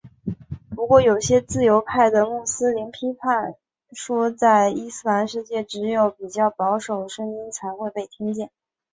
不过有些自由派的穆斯林批评说在伊斯兰世界只有比较保守声音才会被听见。